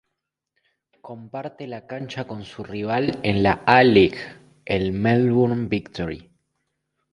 Comparte la cancha con su rival en la A-League, el Melbourne Victory.